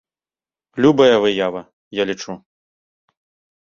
Любая выява, я лічу.